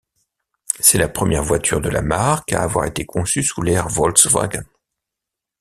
C’est la première voiture de la marque à avoir été conçue sous l’ère Volkswagen.